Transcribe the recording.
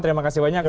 terima kasih banyak